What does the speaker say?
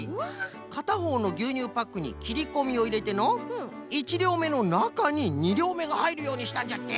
かたほうのぎゅうにゅうパックにきりこみをいれての１りょうめのなかに２りょうめがはいるようにしたんじゃって。